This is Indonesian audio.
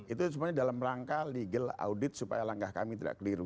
itu sebenarnya dalam rangka legal audit supaya langkah kami tidak keliru